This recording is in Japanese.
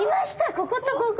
こことここ！